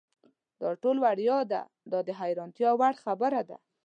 دا ټول وړیا دي دا د حیرانتیا وړ خبره ده.